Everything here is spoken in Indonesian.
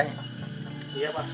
tidak ada apa apa